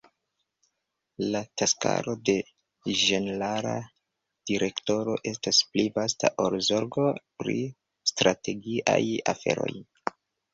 La taskaro de Ĝenerala Direktoro estas pli vasta ol zorgo pri strategiaj aferoj.